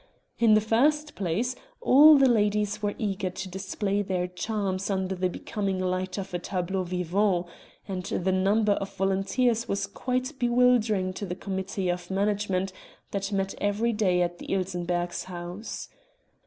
In the first place all the ladies were eager to display their charms under the becoming light of a tableau vivant; and the number of volunteers was quite bewildering to the committee of management that met every day at the Ilsenberghs' house.